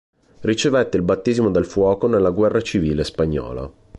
Ricevette il battesimo del fuoco nella Guerra civile spagnola.